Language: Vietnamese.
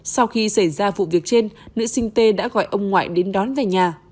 sau khi xảy ra vụ việc trên nữ sinh tê đã gọi ông ngoại đến đón về nhà